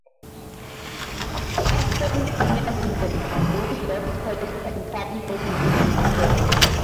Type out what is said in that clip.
After his junior season, Wolff left college and signed with Major League Soccer.